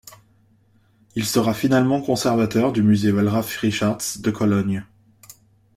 Il sera finalement conservateur du Musée Wallraf-Richartz de Cologne.